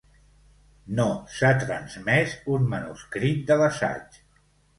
No s'ha transmès un manuscrit de l'assaig.